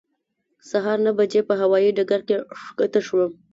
سهار نهه بجې په هوایې ډګر کې ښکته شوم.